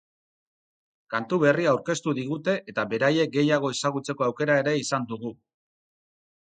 Kantu berria aurkeztu digute eta beraiek gehiago ezagutzeko aukera ere izan dugu.